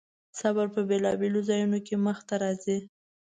صبر په بېلابېلو ځایونو کې مخې ته راځي.